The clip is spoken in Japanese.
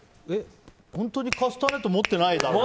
本当にカスタネット持ってないだろうね。